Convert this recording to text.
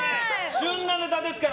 旬なネタですから。